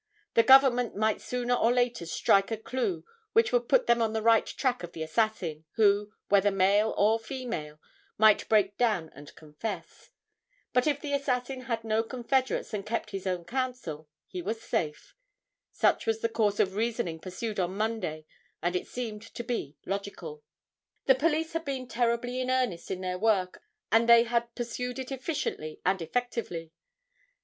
The government might sooner or later strike a clue which would put them on the right track of the assassin, who, whether male or female, might break down and confess. But if the assassin had no confederates and kept his own counsel, he was safe. Such was the course of reasoning pursued on Monday, and it seemed to be logical. The police had been terribly in earnest in their work and they had pursued it efficiently and effectively.